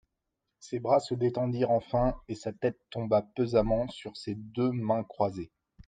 Ses bras se détendirent enfin et sa tête tomba pesamment sur ses deux mains croisées.